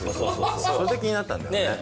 それで気になったんだよねねえ